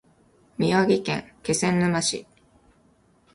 宮城県気仙沼市